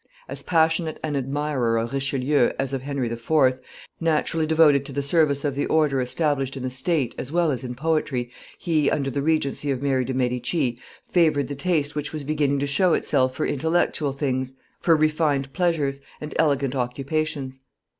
As passionate an admirer of Richelieu as of Henry IV., naturally devoted to the service of the order established in the state as well as in poetry, he, under the regency of Mary de' Medici, favored the taste which was beginning to show itself for intellectual things, for refined pleasures, and elegant occupations.